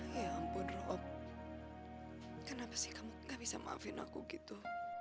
ya ampun rob kenapa sih kamu gak bisa maafin aku gitu